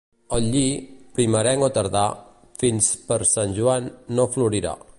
El lli, primerenc o tardà, fins per Sant Joan no florirà.